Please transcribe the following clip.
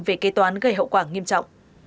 về kế toán gây hậu quả nghiêm trọng